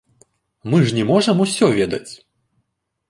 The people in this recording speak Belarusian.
Мы ж не можам усё ведаць!